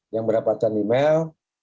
yang mendapatkan email